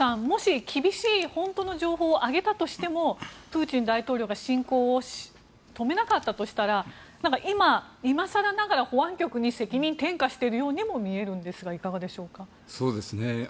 もし厳しい本当の情報を上げたとしてもプーチン大統領が侵攻を止めなかったとしたら今さらながら保安局に責任転嫁しているようにも見えるんですがいかがでしょうか？